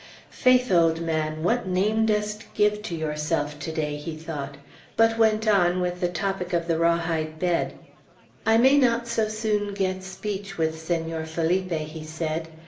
"Faith, old man, what name dost give to yourself to day!" he thought; but went on with the topic of the raw hide bed. "I may not so soon get speech with Senor Felipe," he said.